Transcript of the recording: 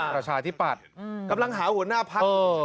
ประชาธิปัตย์กำลังหาหัวหน้าพัก